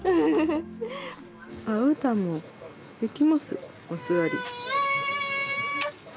あうたんもできますお座り。